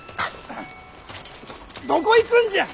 どこ行くんじゃ！